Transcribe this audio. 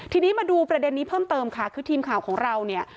ทีนี้มาดูประเด็นนี้เพิ่มเติมค่ะคือทีมข่าวของเราเนี่ย